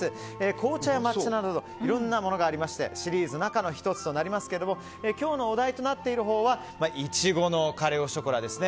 紅茶や抹茶などいろんなものがありましてシリーズ中の１つとなりますが今日のお題となっているほうは苺のカレ・オ・ショコラですね。